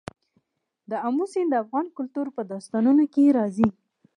آمو سیند د افغان کلتور په داستانونو کې راځي.